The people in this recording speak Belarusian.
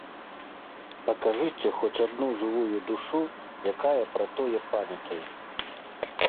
Пакажыце хоць адну жывую душу, якая пра тое памятае!